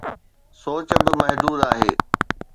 سوچ به محدود آهي.